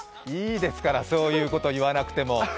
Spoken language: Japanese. いいですから、そういうこと言わなくても。